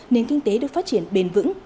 nền kinh tế được phát triển bền vững